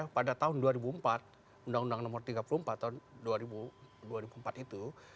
pada tahun dua ribu empat undang undang nomor tiga puluh empat tahun dua ribu empat itu